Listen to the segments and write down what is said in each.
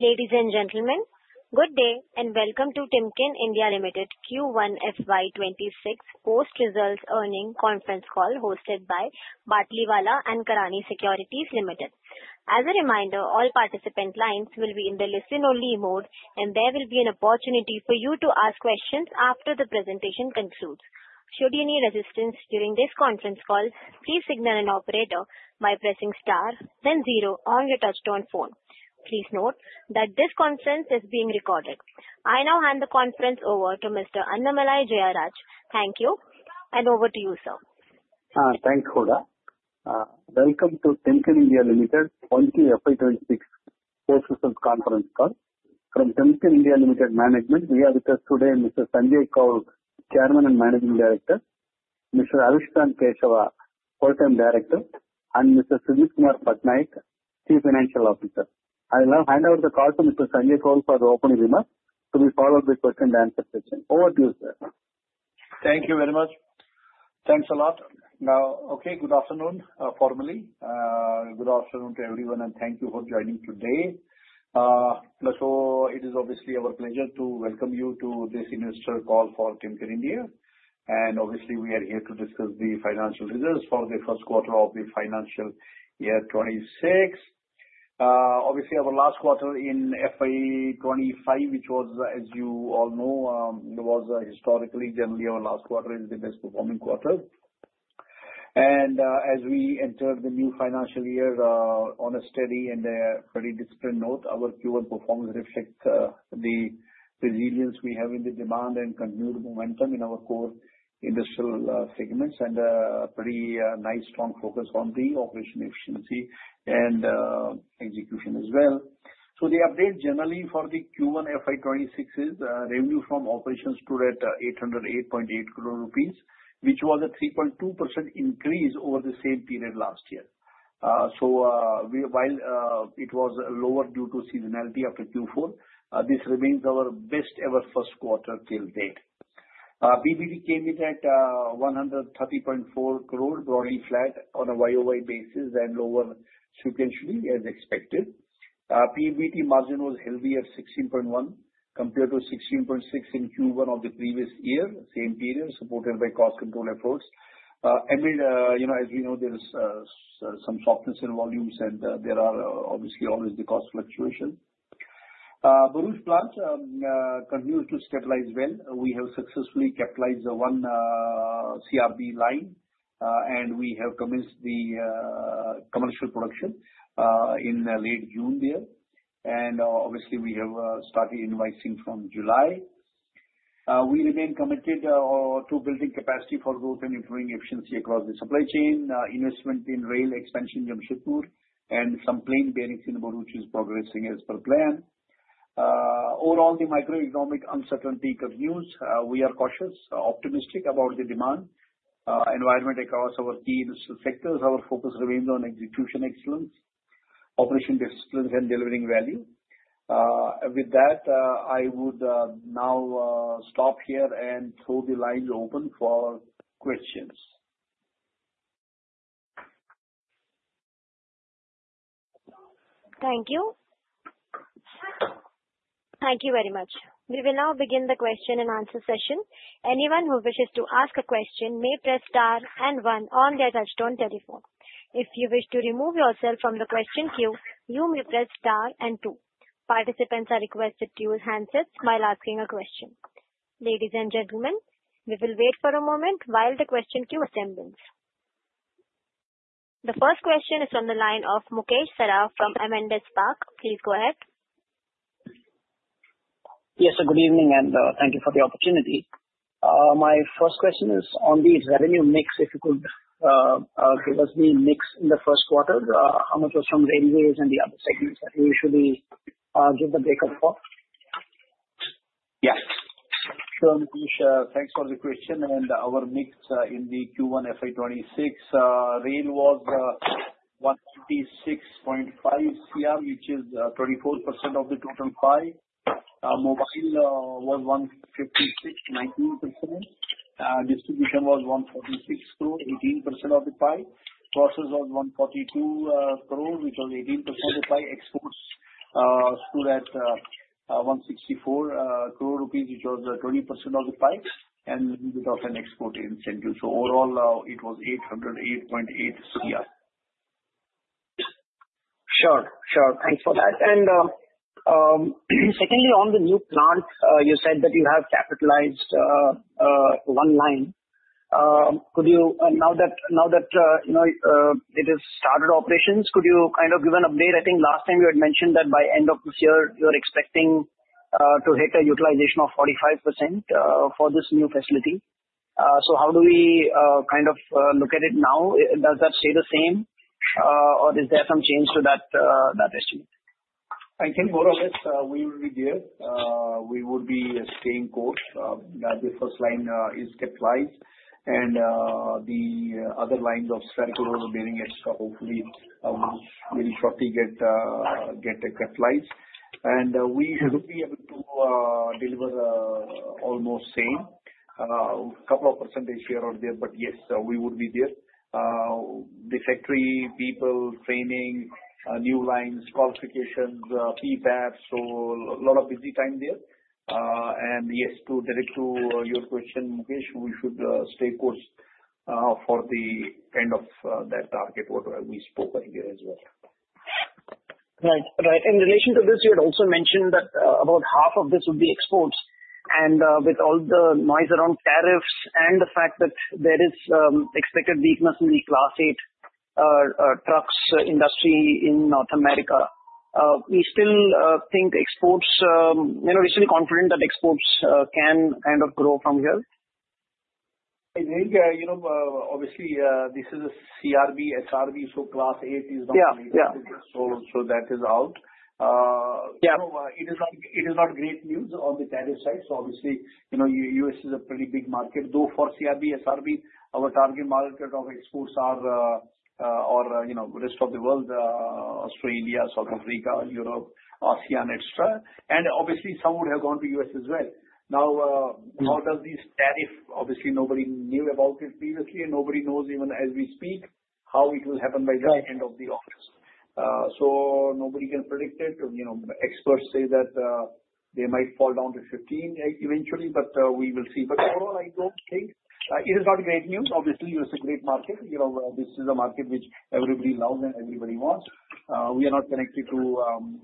Ladies and gentlemen, good day and welcome to Timken India Limited Q1 FY26 Post-Results Earnings Conference Call hosted by Batlivala & Karani (B&K). As a reminder, all participant lines will be in the listen-only mode, and there will be an opportunity for you to ask questions after the presentation concludes. Should you need assistance during this conference call, please signal an operator by pressing star, then zero on your touch-tone phone. Please note that this conference is being recorded. I now hand the conference over to Mr. Annamalai Jayaraj. Thank you, and over to you, sir. Thank you, Hoda. Welcome to Timken India Limited Q4 FY24 Post Results Conference Call. From Timken India Limited Management, we have with us today Mr. Sanjay Koul, Chairman and Managing Director, Mr. Avishrant Keshava, Whole-Time Director, and Mr. Sujit Kumar Patnaik, Chief Financial Officer. I will now hand over the call to Mr. Sanjay Koul for the opening remarks to be followed by question and answer session. Over to you, sir. Thank you very much. Thanks a lot. Now, okay, good afternoon formally. Good afternoon to everyone, and thank you for joining today. So it is obviously our pleasure to welcome you to this investor call for Timken India. And obviously, we are here to discuss the financial results for the first quarter of the financial year 2026. Obviously, our last quarter in FY25, which was, as you all know, historically generally our last quarter is the best-performing quarter. And as we enter the new financial year on a steady and a very disciplined note, our Q1 performance reflects the resilience we have in the demand and continued momentum in our core industrial segments, and a pretty nice strong focus on the operational efficiency and execution as well. The update generally for the Q1 FY26 is revenue from operations stood at 808.8 crore rupees, which was a 3.2% increase over the same period last year. While it was lower due to seasonality after Q4, this remains our best-ever first quarter till date. PBT came in at 130.4 crore, broadly flat on a YOY basis and lower sequentially as expected. PBT margin was healthy at 16.1% compared to 16.6% in Q1 of the previous year, same period supported by cost control efforts. As we know, there is some softness in volumes, and there are obviously always the cost fluctuation. Bharuch Plant continues to stabilize well. We have successfully capitalized one CRB line, and we have commenced the commercial production in late June there. Obviously, we have started invoicing from July. We remain committed to building capacity for growth and improving efficiency across the supply chain, investment in rail expansion Jamshedpur, and some plain bearings in Bharuch is progressing as per plan. Overall, the macroeconomic uncertainty continues. We are cautious, optimistic about the demand environment across our key industrial sectors. Our focus remains on execution excellence, operation disciplines, and delivering value. With that, I would now stop here and throw the lines open for questions. Thank you. Thank you very much. We will now begin the question and answer session. Anyone who wishes to ask a question may press star and one on their touch-tone telephone. If you wish to remove yourself from the question queue, you may press star and two. Participants are requested to use handsets while asking a question. Ladies and gentlemen, we will wait for a moment while the question queue assembles. The first question is from the line of Mukesh Saraf from Avendus Spark. Please go ahead. Yes, good evening, and thank you for the opportunity. My first question is on the revenue mix, if you could give us the mix in the first quarter, how much was from railways and the other segments that you usually give the breakup for? Yes. Thanks for the question. And our mix in the Q1 FY26 rail was 156.5 crore, which is 24% of the total pie. Mobile was 156.9 crore. Distribution was 146 crore, 18% of the pie. Cranes was 142 crore, which was 18% of the pie. Exports stood at 164 crore rupees, which was 20% of the pie, and we did also an export incentive. So overall, it was 808.8 crore. Sure. Sure. Thanks for that. And secondly, on the new plant, you said that you have capitalized one line. Now that it has started operations, could you kind of give an update? I think last time you had mentioned that by end of this year, you're expecting to hit a utilization of 45% for this new facility. So how do we kind of look at it now? Does that stay the same, or is there some change to that estimate? I think more or less we will be there. We would be staying close. The first line is capitalized, and the other lines of spherical roller bearings, hopefully, we will shortly get capitalized. And we should be able to deliver almost same, a couple of percentage here or there, but yes, we would be there. The factory people training, new lines, qualifications, PPAPs, so a lot of busy time there. And yes, to direct to your question, Mukesh, we should stay close for the end of that target, what we spoke of here as well. Right. Right. In relation to this, you had also mentioned that about half of this would be exports. And with all the noise around tariffs and the fact that there is expected weakness in the Class 8 trucks industry in North America, we still think exports, are you really confident that exports can kind of grow from here? I think, obviously, this is a CRB, SRB, so Class 8 is not really, so that is out. It is not great news on the tariff side. So obviously, the US is a pretty big market, though for CRB, SRB, our target market of exports are the rest of the world: Australia, South Africa, Europe, ASEAN, etc. And obviously, some would have gone to the US as well. Now, how does this tariff. Obviously, nobody knew about it previously. Nobody knows even as we speak how it will happen by the end of the year. So nobody can predict it. Experts say that they might fall down to 15 eventually, but we will see. But overall, I don't think it is not great news. Obviously, it's a great market. This is a market which everybody loves and everybody wants. We are not connected to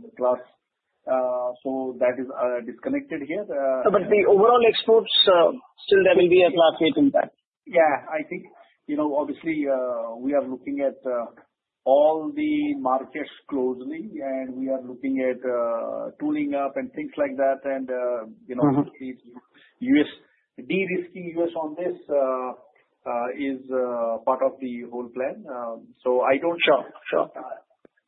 the class, so that is disconnected here. But the overall exports, still there will be a Class 8 impact? Yeah, I think obviously we are looking at all the markets closely, and we are looking at tooling up and things like that. And de-risking U.S. on this is part of the whole plan. So I don't think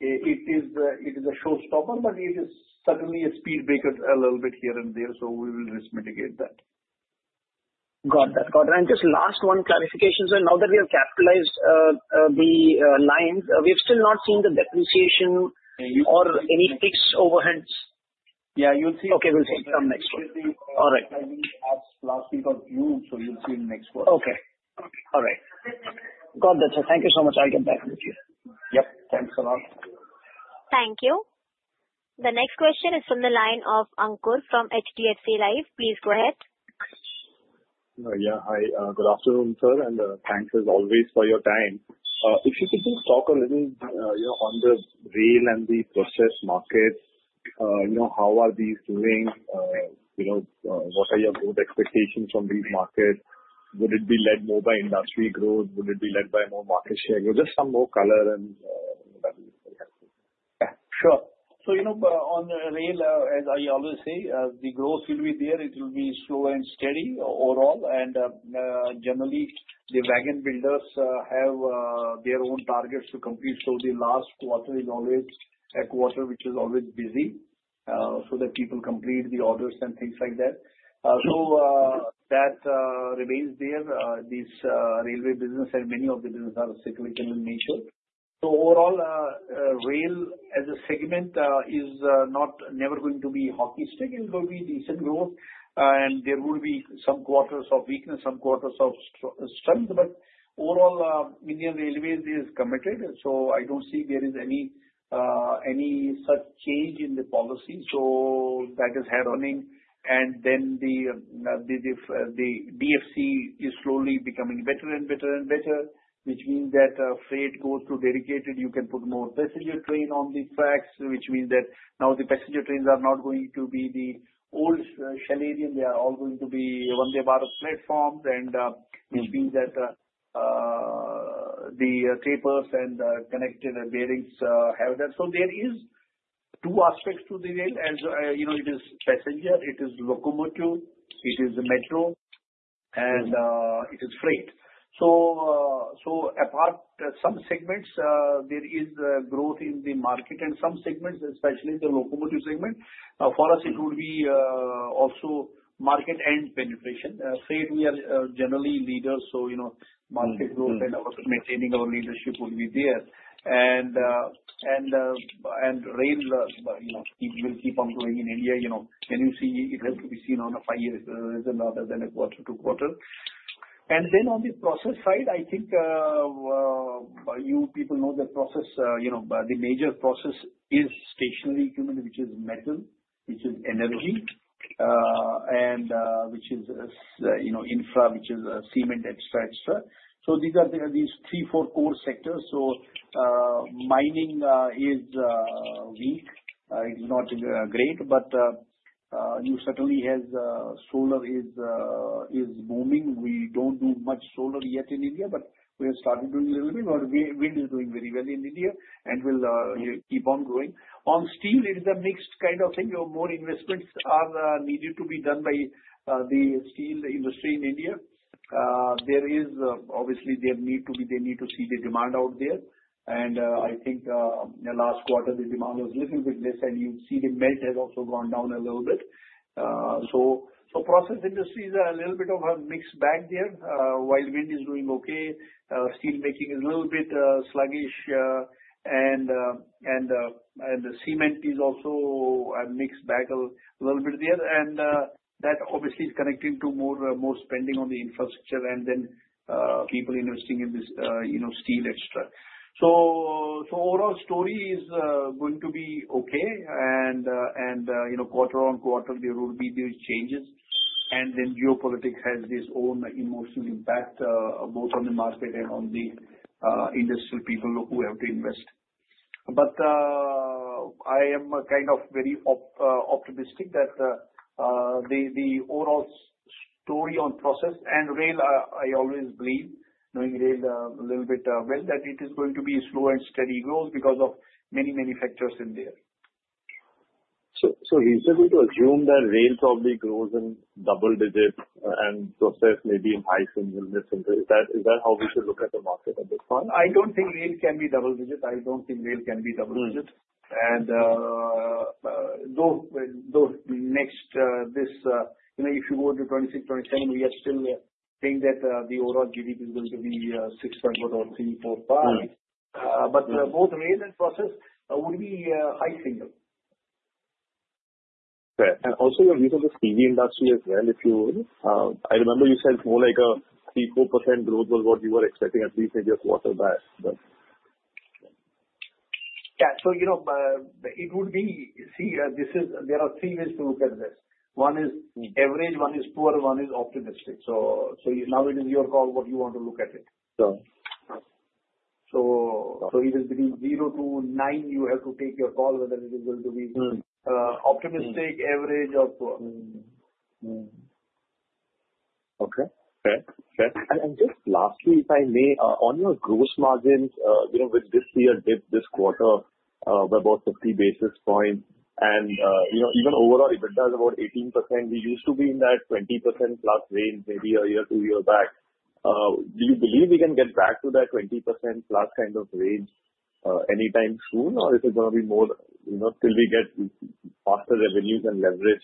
it is a showstopper, but it is certainly a speed breaker a little bit here and there, so we will risk mitigate that. Got that. Got it. And just last one clarification. So now that we have capitalized the lines, we have still not seen the depreciation or any fixed overheads? Yeah, you'll see. Okay, we'll see it come next week. All right. I think it has last week or June, so you'll see it next week. Okay. All right. Got that. Thank you so much. I'll get back with you. Yep. Thanks a lot. Thank you. The next question is from the line of Ankur from HDFC Life. Please go ahead. Yeah, hi. Good afternoon, sir, and thanks as always for your time. If you could just talk a little on the rail and the process markets, how are these doing? What are your growth expectations from these markets? Would it be led more by industry growth? Would it be led more by market share? Just some more color and that would be helpful. Yeah, sure. So on rail, as I always say, the growth will be there. It will be slow and steady overall. And generally, the wagon builders have their own targets to complete. So the last quarter is always a quarter which is always busy so that people complete the orders and things like that. So that remains there. This railway business and many of the businesses are seasonal in nature. So overall, rail as a segment is never going to be hockey stick. It will be decent growth, and there will be some quarters of weakness, some quarters of strength. But overall, Indian Railways is committed, so I don't see there is any such change in the policy. So that is heading. And then the DFC is slowly becoming better and better and better, which means that freight goes to dedicated. You can put more passenger trains on the tracks, which means that now the passenger trains are not going to be the old conventional trains. They are all going to be one-way platforms, which means that the tapered and cartridge bearings have that. So there are two aspects to the rail. It is passenger. It is locomotive. It is metro, and it is freight. So apart from some segments, there is growth in the market, and some segments, especially the locomotive segment. For us, it would be also market and penetration. Freight, we are generally leaders, so market growth and maintaining our leadership would be there, and rail will keep on going in India, and you see, it has to be seen on a five-year horizon rather than a quarter to quarter, and then on the process side, I think you people know the process. The major process is stationary equipment, which is metal, which is energy, and which is infra, which is cement, etc., etc. So these are these three, four core sectors. So mining is weak. It's not great, but you certainly have solar is booming. We don't do much solar yet in India, but we have started doing a little bit. Wind is doing very well in India, and we'll keep on growing. On steel, it is a mixed kind of thing. More investments are needed to be done by the steel industry in India. There is obviously their need to be. They need to see the demand out there. And I think last quarter, the demand was a little bit less, and you see the melt has also gone down a little bit. So process industries are a little bit of a mixed bag there. While wind is doing okay. Steelmaking is a little bit sluggish, and cement is also a mixed bag a little bit there. And that obviously is connecting to more spending on the infrastructure and then people investing in steel, etc. So overall, the story is going to be okay. And quarter on quarter, there will be these changes. And then geopolitics has this own emotional impact both on the market and on the industrial people who have to invest. But I am kind of very optimistic that the overall story on process and rail, I always believe, knowing rail a little bit well, that it is going to be slow and steady growth because of many manufacturers in there. So you said we could assume that rail probably grows in double digits and process maybe in high single digits. Is that how we should look at the market at this point? I don't think rail can be double digits. And though next this if you go to 2026, 2027, we are still saying that the overall GDP is going to be 6.4-3.5%. But both rail and process would be high single. And also, you have the steel industry as well, if you would. I remember you said more like a 3-4% growth was what you were expecting, at least in your quarter back. Yeah. So it would be, see, there are three ways to look at this. One is average, one is poor, one is optimistic. So now it is your call what you want to look at it. So it is between zero to nine, you have to take your call whether it is going to be optimistic, average, or poor. Okay. Just lastly, if I may, on your gross margins, which this year dipped this quarter by about 50 basis points. Even overall, it's about 18%. We used to be in that 20% plus range maybe a year, two years back. Do you believe we can get back to that 20% plus kind of range anytime soon, or is it going to be more till we get faster revenues and leverage?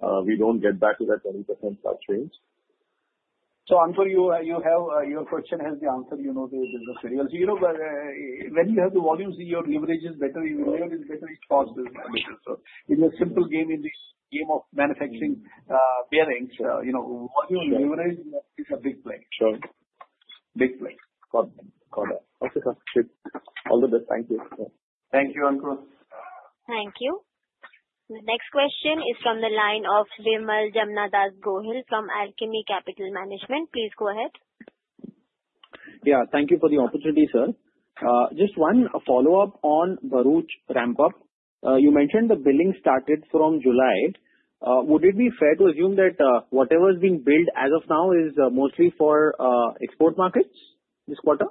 Will we get back to that 20% plus range? So, Ankur, your question has the answer. You know the business area. So, when you have the volumes, your leverage is better. Your leverage is better, it costs a little. So, in the simple game, in the game of manufacturing bearings, volume and leverage is a big play. Sure. Big play. Got it. Got it. Okay. All the best. Thank you. Thank you, Ankur. Thank you. The next question is from the line of Vimal Jamnadas Gohil from Alchemy Capital Management. Please go ahead. Yeah. Thank you for the opportunity, sir. Just one follow-up on Bharuch ramp-up. You mentioned the billing started from July. Would it be fair to assume that whatever is being billed as of now is mostly for export markets this quarter?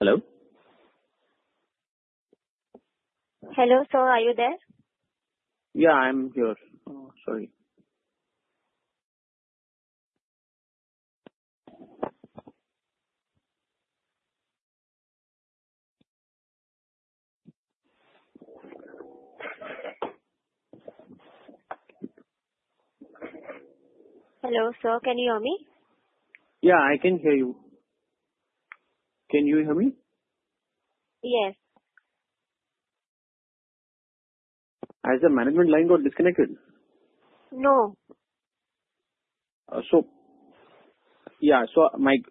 Hello? Hello. Sir, are you there? Yeah, I'm here. Sorry. Hello, sir. Can you hear me? Yeah, I can hear you. Can you hear me? Yes. Has the management line got disconnected? No. So yeah, so Mike.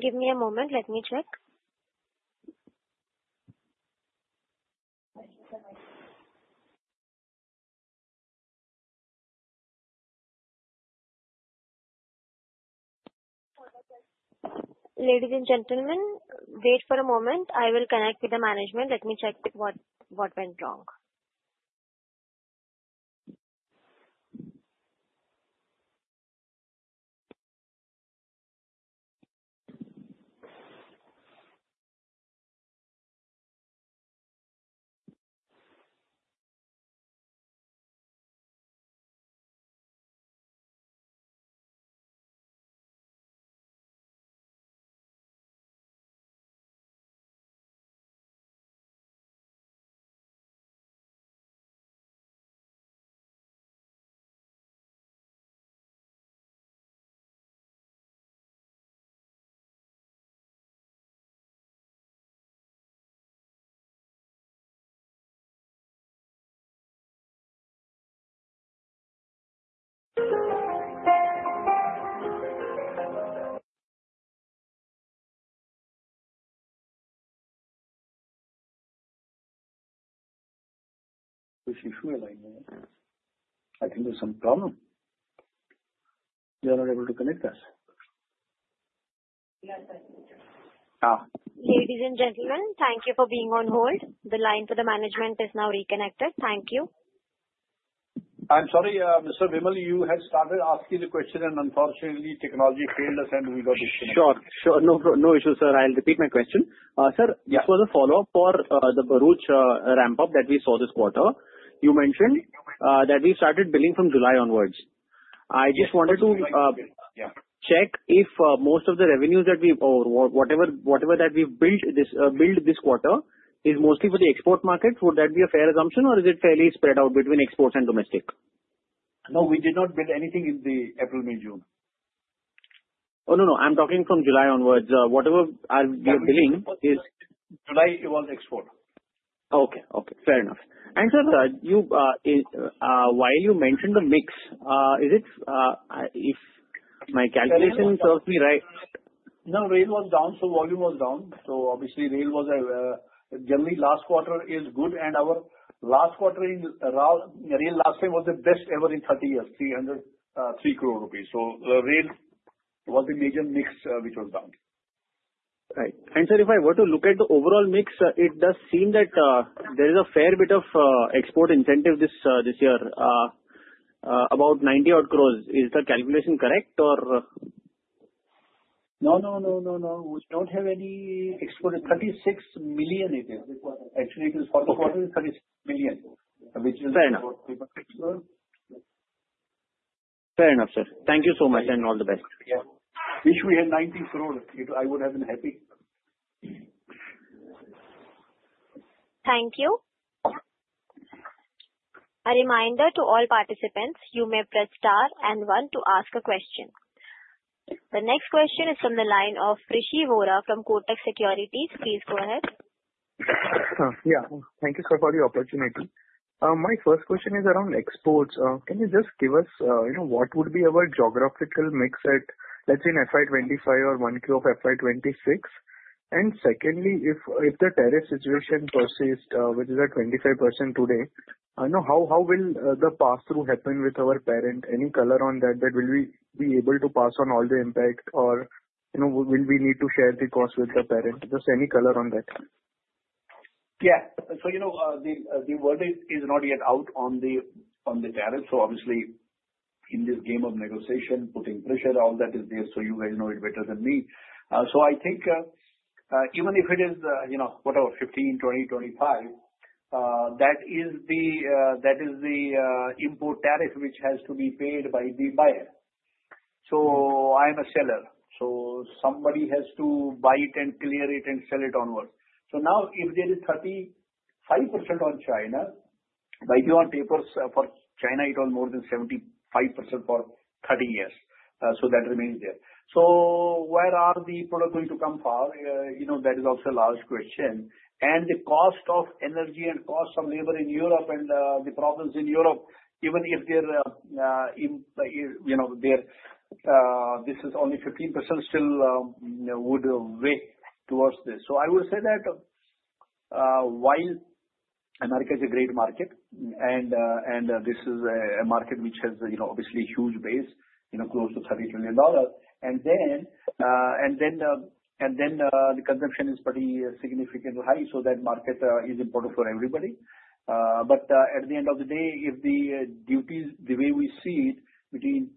Give me a moment. Let me check. Ladies and gentlemen, wait for a moment. I will connect with the management. Let me check what went wrong. I think there's some problem. You're not able to connect us. Ladies and gentlemen, thank you for being on hold. The line for the management is now reconnected. Thank you. I'm sorry, Mr. Vimal, you had started asking the question, and unfortunately, technology failed us, and we got disconnected. Sure. Sure. No issue, sir. I'll repeat my question. Sir, just for the follow-up for the Bharuch ramp-up that we saw this quarter, you mentioned that we started billing from July onwards. I just wanted to check if most of the revenues that we or whatever that we've billed this quarter is mostly for the export markets. Would that be a fair assumption, or is it fairly spread out between exports and domestic? No, we did not build anything in the April, May, June. Oh, no, no. I'm talking from July onwards. Whatever we are billing is. July was export. Okay. Okay. Fair enough. And sir, while you mentioned the mix, if my calculation serves me right. No, rail was down, so volume was down. So obviously, rail was generally last quarter is good, and our last quarter in rail last time was the best ever in 30 years, 303 crore rupees. So rail was the major mix which was down. Right. And sir, if I were to look at the overall mix, it does seem that there is a fair bit of export incentive this year, about 90-odd crores. Is the calculation correct, or? No, no, no, no, no. We don't have any export. 36 million it is. Actually, for the quarter, it's 36 million, which is about. Fair enough. Fair enough, sir. Thank you so much and all the best. Wish we had 90 crore. I would have been happy. Thank you. A reminder to all participants, you may press star and one to ask a question. The next question is from the line of Rishi Vora from Kotak Securities. Please go ahead. Yeah. Thank you, sir, for the opportunity. My first question is around exports. Can you just give us what would be our geographical mix at, let's say, a FY25 or one Q of FY26? And secondly, if the tariff situation persists, which is at 25% today, how will the pass-through happen with our parent? Any color on that? That, will we be able to pass on all the impact, or will we need to share the cost with the parent? Just any color on that. Yeah, so the verdict is not yet out on the tariff, so obviously, in this game of negotiation, putting pressure, all that is there, so you guys know it better than me, so I think even if it is, whatever, 15, 20, 25, that is the import tariff which has to be paid by the buyer, so I'm a seller, so somebody has to buy it and clear it and sell it onwards, so now, if there is 35% on China, by your papers, for China, it was more than 75% for 30 years, so that remains there, so where are the products going to come from? That is also a large question, and the cost of energy and cost of labor in Europe and the problems in Europe, even if it is only 15%, still would weigh towards this. So I would say that while America is a great market, and this is a market which has obviously a huge base, close to $30 trillion, and then the consumption is pretty significantly high, so that market is important for everybody. But at the end of the day, if the duties, the way we see it, between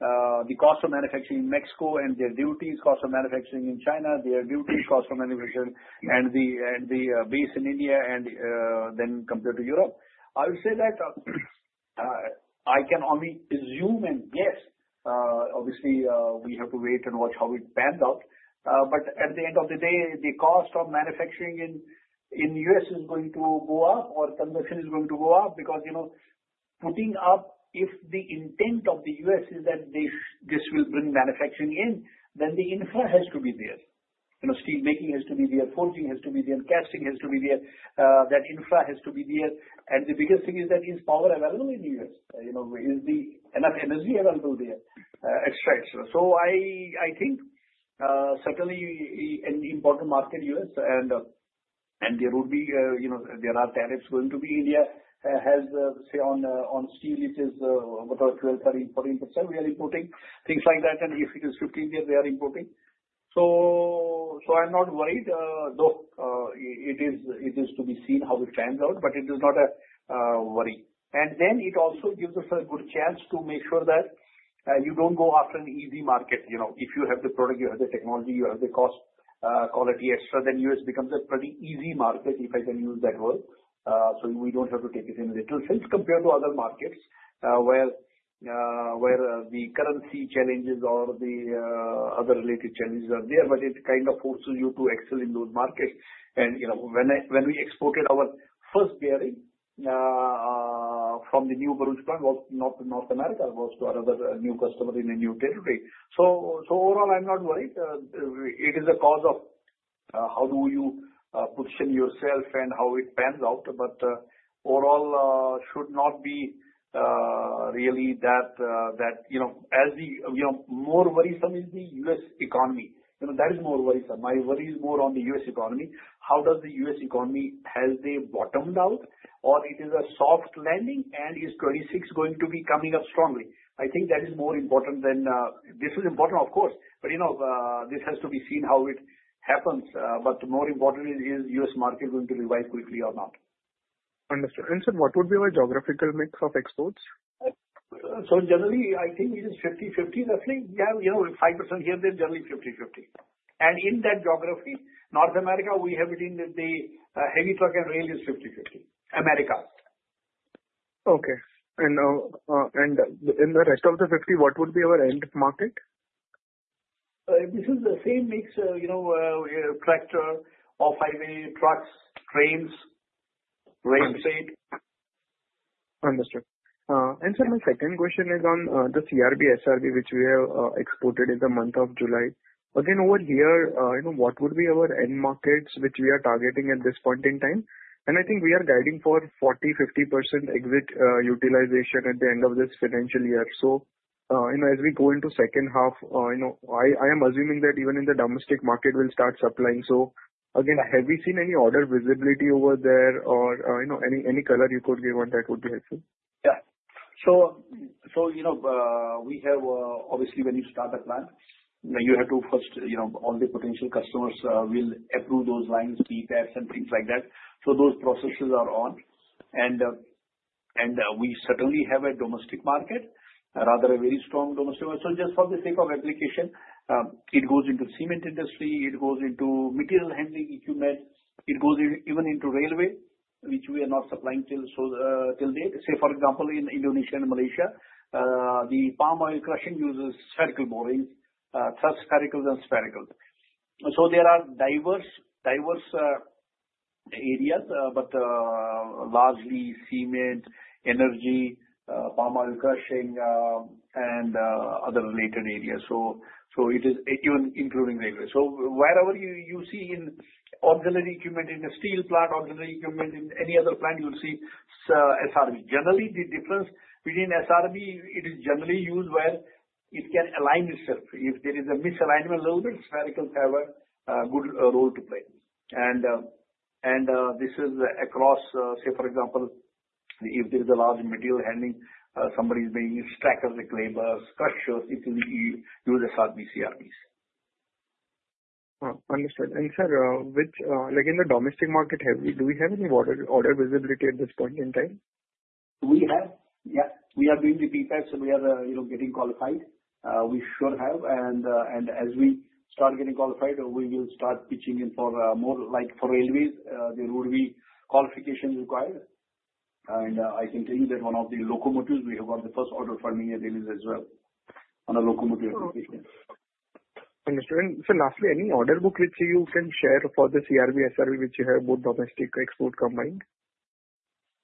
the cost of manufacturing in Mexico and their duties, cost of manufacturing in China, their duties, cost of manufacturing, and the base in India, and then compared to Europe, I would say that I can only assume and guess. Obviously, we have to wait and watch how it pans out. But at the end of the day, the cost of manufacturing in the U.S. is going to go up, or consumption is going to go up because putting up, if the intent of the U.S. is that this will bring manufacturing in, then the infra has to be there. Steel making has to be there. Forging has to be there. Casting has to be there. That infra has to be there. And the biggest thing is that is power available in the U.S.? Is enough energy available there? Etc. So I think certainly an important market, U.S. And there would be tariffs going to be. India has, say, on steel, it is about 12%-13%. We are importing things like that. And if it is 15%, we are importing. So I'm not worried. Though it is to be seen how it pans out, but it is not a worry, and then it also gives us a good chance to make sure that you don't go after an easy market. If you have the product, you have the technology, you have the cost, quality, etc., then U.S. becomes a pretty easy market, if I can use that word, so we don't have to take it in a little sense compared to other markets where the currency challenges or the other related challenges are there, but it kind of forces you to excel in those markets, and when we exported our first bearing from the new Bharuch plant was not to North America, was to another new customer in a new territory, so overall, I'm not worried. It is a cause of how do you position yourself and how it pans out. But overall, should not be really that as the more worrisome is the U.S. economy. That is more worrisome. My worry is more on the U.S. economy. How does the U.S. economy? Has they bottomed out, or it is a soft landing, and is 2026 going to be coming up strongly? I think that is more important than this is important, of course. But this has to be seen how it happens. But more importantly, is U.S. market going to revive quickly or not? Understood. And sir, what would be our geographical mix of exports? So generally, I think it is 50/50, roughly. We have 5% here, then generally 50/50. And in that geography, North America, we have it in the heavy truck and rail is 50/50. America. Okay. And in the rest of the 50, what would be our end market? This is the same mix, tractor, off-highway, trucks, trains, rails. Understood. And sir, my second question is on the CRB, SRB, which we have exported in the month of July. Again, over here, what would be our end markets which we are targeting at this point in time? And I think we are guiding for 40%-50% exit utilization at the end of this financial year. So as we go into second half, I am assuming that even in the domestic market, we'll start supplying. So again, have we seen any order visibility over there or any color you could give on that would be helpful? Yeah. So we have obviously, when you start a plant, you have to first all the potential customers will approve those lines, PPAPs, and things like that. So those processes are on. And we certainly have a domestic market, rather a very strong domestic market. So just for the sake of application, it goes into cement industry. It goes into material handling equipment. It goes even into railway, which we are not supplying till date. Say, for example, in Indonesia and Malaysia, the palm oil crushing uses spherical bearings, thrust sphericals, and sphericals. So there are diverse areas, but largely cement, energy, palm oil crushing, and other related areas. So it is even including railway. So wherever you see in auxiliary equipment, in a steel plant, auxiliary equipment, in any other plant, you'll see SRB. Generally, the difference between SRB, it is generally used where it can align itself. If there is a misalignment, a little bit, sphericals have a good role to play. And this is across, say, for example, if there is a large material handling, such as stackers, reclaimers, crushers, it will use SRB, CRBs. Understood. And sir, again, the domestic market, do we have any order visibility at this point in time? We have. Yeah. We are doing the PPAPs, and we are getting qualified. We should have, and as we start getting qualified, we will start pitching in for more, like for railways, there would be qualifications required. And I can tell you that one of the locomotives, we have got the first order from Indian Railways as well on a locomotive application. Understood. And, sir, lastly, any order book which you can share for the CRB, SRB, which you have both domestic export combined?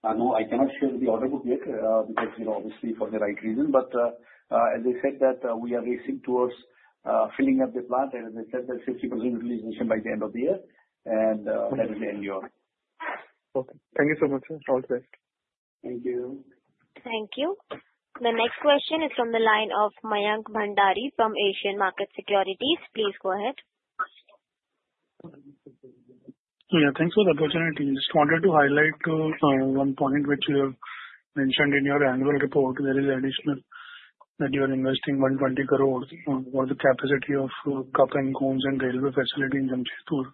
No, I cannot share the order book yet because obviously for the right reason, but as I said, that we are racing towards filling up the plant, and as I said, there's 50% utilization by the end of the year, and that will end here. Okay. Thank you so much, sir. All the best. Thank you. Thank you. The next question is from the line of Mayank Bhandari from Asian Market Securities. Please go ahead. Yeah. Thanks for the opportunity. Just wanted to highlight one point which you have mentioned in your annual report. There is additional that you are investing 120 crores for the capacity of cups and cones and railway facility in Jamshedpur. Yeah.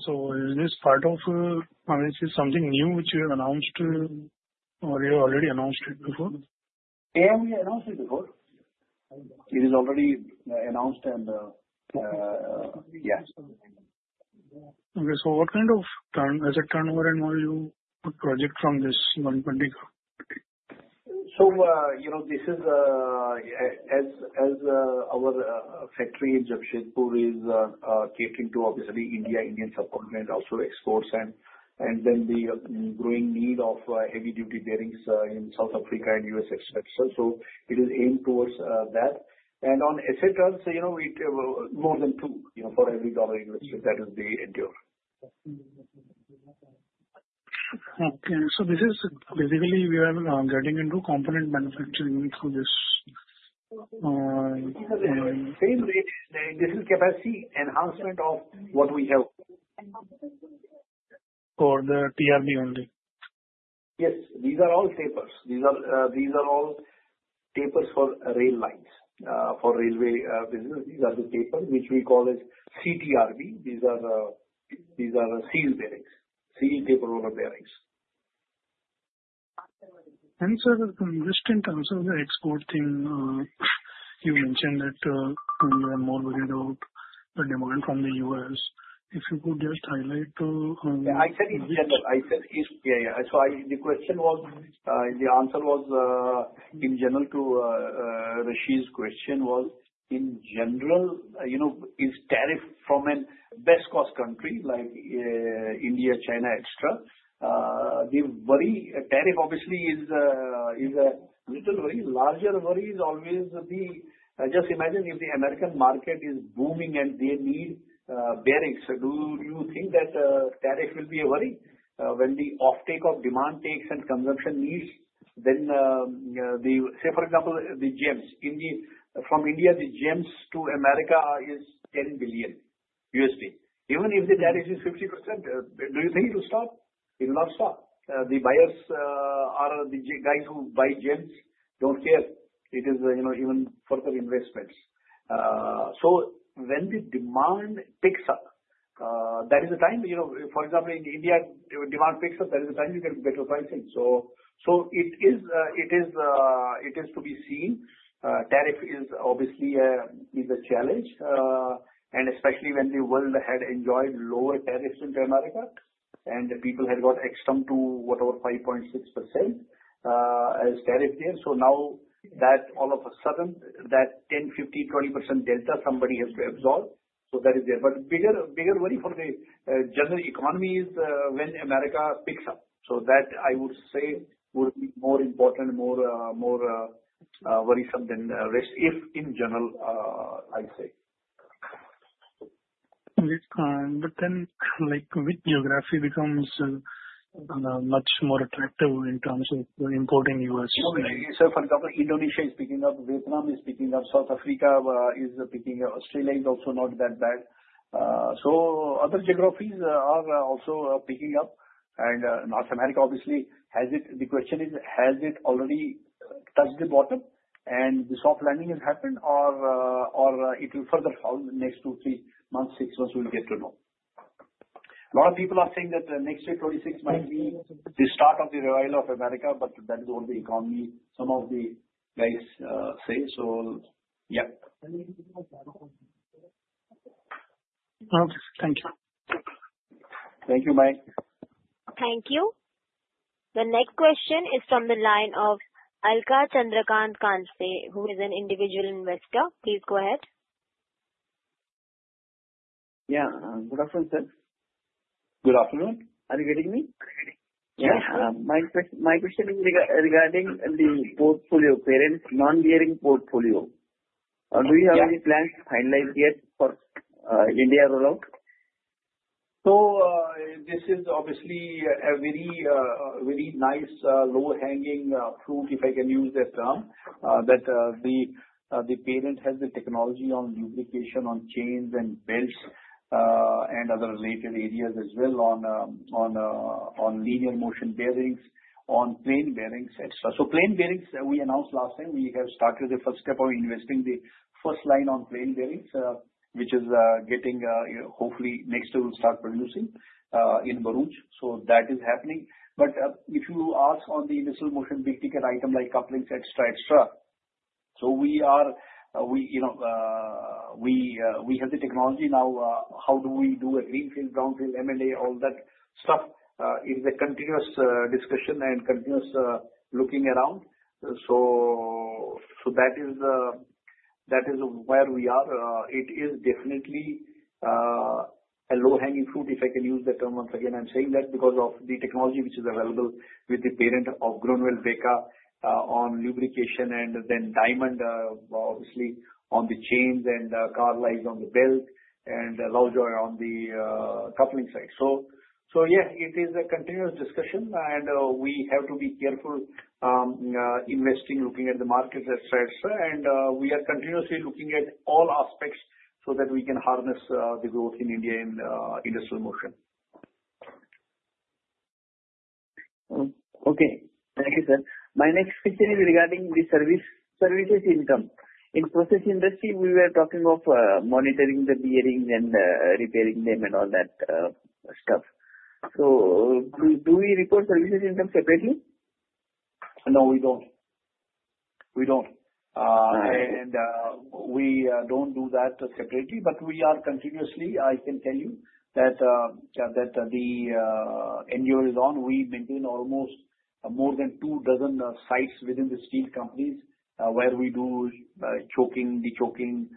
So is this part of, I mean, is this something new which you have announced, or you already announced it before? Yeah, we announced it before. It is already announced, and yeah. What kind of a turnover and all you project from this 120? This is, as our factory in Jamshedpur is catering to, obviously, India, Indian subcontinent, also exports, and then the growing need of heavy-duty bearings in South Africa and U.S., etc. So it is aimed towards that. And on asset turns, more than two for every $1 invested, that would be ensured. So this is basically we are getting into component manufacturing through this. This is capacity enhancement of what we have. Or the TRB only? Yes. These are all tapers. These are all tapers for rail lines, for railway business. These are the tapers which we call as CTRB. These are sealed bearings, sealed tapered roller bearings. And Sir, the consistent answer of the export thing, you mentioned that you are more worried about the demand from the U.S. If you could just highlight. Yeah. I said in general. I said, yeah, yeah. So the question was, the answer was in general to Rishi's question was in general, is tariff from a best-cost country like India, China, etc.? The worry, tariff obviously is a little worry. Larger worry is always the just imagine if the American market is booming and they need bearings. Do you think that tariff will be a worry? When the offtake of demand takes and consumption needs, then the say, for example, the gems. From India, the gems to America is $10 billion. Even if the tariff is 50%, do you think it will not stop? It will not stop. The buyers are the guys who buy gems, don't care. It is even further investments. So when the demand picks up, that is the time. For example, in India, demand picks up, that is the time you get better pricing. So it is to be seen. Tariff is obviously a challenge. And especially when the world had enjoyed lower tariffs into America, and people had got accustomed to whatever, 5.6% as tariff there. So now that all of a sudden, that 10, 15, 20% delta, somebody has to absorb. So that is there. But bigger worry for the general economy is when America picks up. So that I would say would be more important, more worrisome than risk, if in general, I'd say. But then with geography becomes much more attractive in terms of importing U.S. So, for example, Indonesia is picking up. Vietnam is picking up. South Africa is picking up. Australia is also not that bad. So other geographies are also picking up. And North America, obviously, has it? The question is, has it already touched the bottom? And the soft landing has happened, or it will further fall next two, three months, six months? We'll get to know. A lot of people are saying that next year, 2026, might be the start of the revival of America, but that is only the economy, some of the guys say. So yeah. Okay. Thank you. Thank you, Mayank. Thank you. The next question is from the line of Alka Chandrakant Kulkarni, who is an individual investor. Please go ahead. Yeah. Good afternoon, sir. Good afternoon. Are you getting me? Yes. My question is regarding the portfolio pairing, non-bearing portfolio. Do you have any plans to finalize yet for India rollout? So this is obviously a very nice low-hanging fruit, if I can use that term, that the parent has the technology on lubrication, on chains and belts, and other related areas as well on linear motion bearings, on plain bearings, etc. So plain bearings, we announced last time, we have started the first step of investing the first line on plain bearings, which is getting hopefully next year we'll start producing in Bharuch. So that is happening. But if you ask on the linear motion big ticket item like couplings, etc., etc., so we have the technology now. How do we do a greenfield, brownfield, M&A, all that stuff? It is a continuous discussion and continuous looking around. So that is where we are. It is definitely a low-hanging fruit, if I can use the term once again. I'm saying that because of the technology which is available with the pairing of Groeneveld-BEKA on lubrication, and then Diamond, obviously, on the chains, and Carlisle on the belt, and Lovejoy on the coupling side. So yeah, it is a continuous discussion, and we have to be careful investing, looking at the markets, etc., and we are continuously looking at all aspects so that we can harness the growth in India in industrial motion. Okay. Thank you, sir. My next question is regarding the services income. In process industry, we were talking of monitoring the bearings and repairing them and all that stuff. So do we report services income separately? No, we don't. We don't. And we don't do that separately, but we are continuously. I can tell you that the endeavor is on. We maintain almost more than two dozen sites within the steel companies where we do choking, de-choking,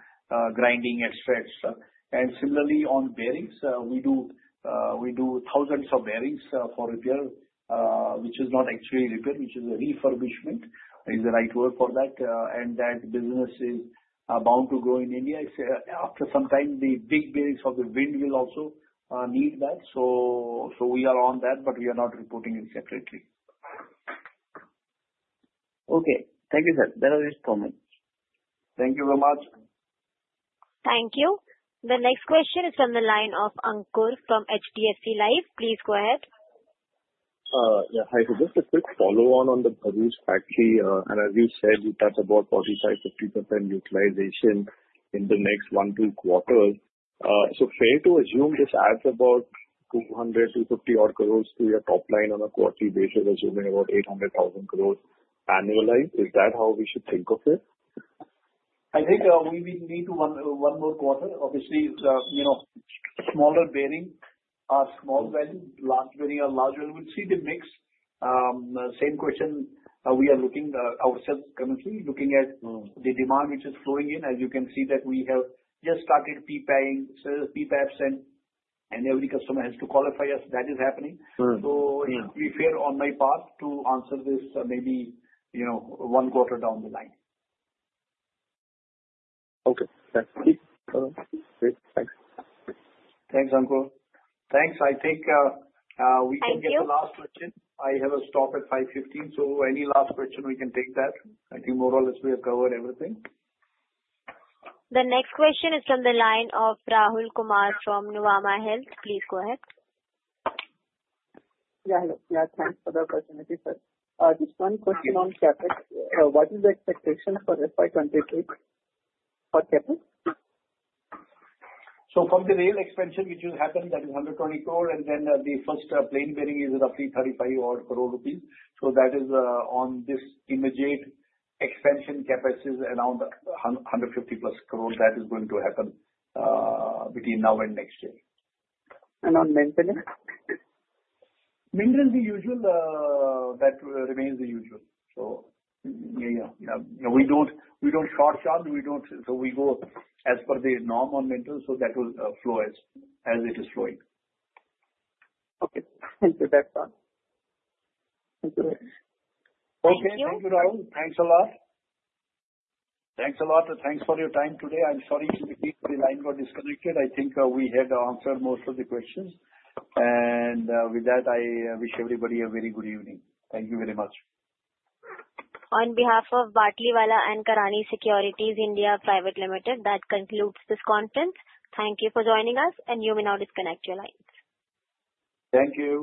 grinding, etc., etc. And similarly, on bearings, we do thousands of bearings for repair, which is not actually repair, which is a refurbishment is the right word for that. And that business is bound to grow in India. After some time, the big bearings of the wind will also need that. So we are on that, but we are not reporting it separately. Okay. Thank you, sir. That was it for me. Thank you very much. Thank you. The next question is from the line of Ankur from HDFC Life. Please go ahead. Yeah. Hi, so just a quick follow-on on the Bharuch factory. And as you said, we touch about 45%-50% utilization in the next one to two quarters. So fair to assume this adds about 200-250 odd crores to your top line on a quarterly basis, assuming about 800,000 crores annualized. Is that how we should think of it? I think we need one more quarter. Obviously, smaller bearings are small value. Large bearings are large value. We'll see the mix. Same question, we are looking ourselves currently, looking at the demand which is flowing in. As you can see that we have just started PPAPs, and every customer has to qualify us. That is happening. So we're fair on my part to answer this maybe one quarter down the line. Okay. Thanks. Great. Thanks. Thanks, Ankur. Thanks. I think we can get the last question. I have a stop at 5:15 P.M., so any last question, we can take that. I think more or less we have covered everything. The next question is from the line of Rahul Kumar from Nuvama Wealth. Please go ahead. Thanks for the opportunity, sir. Just one question on CapEx. What is the expectation for FY26 for CapEx? So from the rail expansion which has happened, that is 120 crores, and then the plain bearing is roughly 35-odd crore rupees. So that is on this immediate expansion. CapEx is around 150-plus crores that is going to happen between now and next year. On maintenance? Maintenance, the usual that remains the usual. So yeah, yeah. We don't short-change. So we go as per the norm on maintenance, so that will flow as it is flowing. Okay. Thank you, sir. Okay. Thank you, Rahul. Thanks a lot. Thanks a lot. Thanks for your time today. I'm sorry the line got disconnected. I think we had answered most of the questions, and with that, I wish everybody a very good evening. Thank you very much. On behalf of Batliwala and Karani Securities Limited, that concludes this conference. Thank you for joining us, and you may now disconnect your lines. Thank you.